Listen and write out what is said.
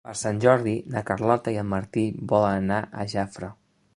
Per Sant Jordi na Carlota i en Martí volen anar a Jafre.